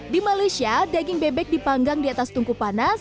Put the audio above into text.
di malaysia daging bebek dipanggang di atas tungku panas